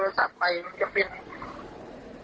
คนที่แจ้งโทรศัพท์ไปมันจะเป็น